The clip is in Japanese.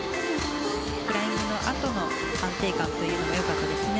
フライングのあとの安定感も良かったですね。